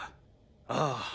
ああ。